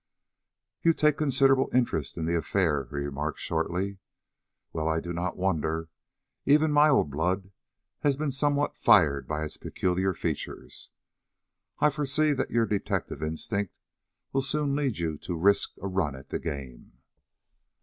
"You take considerable interest in the affair," he remarked, shortly. "Well, I do not wonder. Even my old blood has been somewhat fired by its peculiar features. I foresee that your detective instinct will soon lead you to risk a run at the game."